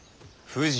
富士？